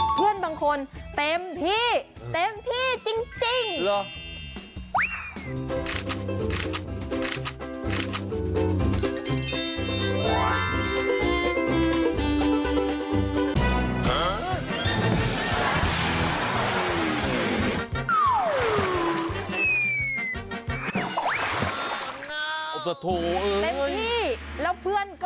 เพื่อนบางคนเต็มที่เต็มที่จริง